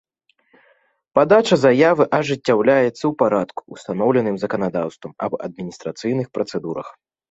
Падача заявы ажыццяўляецца ў парадку, устаноўленым заканадаўствам аб адмiнiстрацыйных працэдурах.